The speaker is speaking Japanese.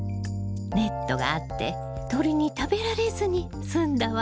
ネットがあって鳥に食べられずにすんだわね。